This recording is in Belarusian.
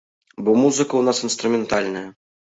Бо музыка ў нас інструментальная.